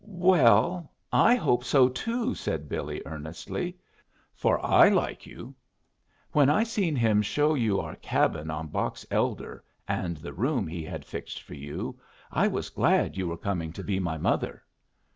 "Well, I hope so too," said Billy, earnestly. "For I like you. When I seen him show you our cabin on Box Elder, and the room he had fixed for you, I was glad you were coming to be my mother.